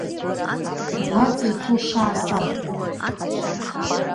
Бгәаҵа иҭоу шаасабҳәара!